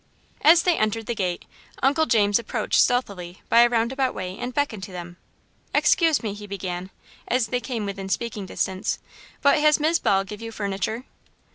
As they entered the gate, Uncle James approached stealthily by a roundabout way and beckoned to them. "Excuse me," he began, as they came within speaking distance, "but has Mis' Ball give you furniture?"